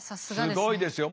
すごいですよ。